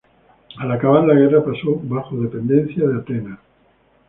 Al acabar la guerra pasó bajo dependencia de Atenas.